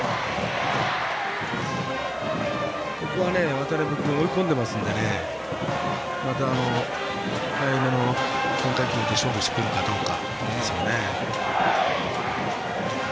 渡邉君追い込んでますので速めの変化球で勝負してくるかどうか。